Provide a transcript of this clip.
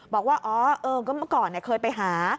บอกว่าอ๋อก็เมื่อก่อนเคยไปหา